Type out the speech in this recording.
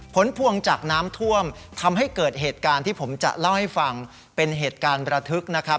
ผลพวงจากน้ำท่วมทำให้เกิดเหตุการณ์ที่ผมจะเล่าให้ฟังเป็นเหตุการณ์ระทึกนะครับ